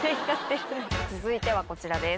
続いてはこちらです。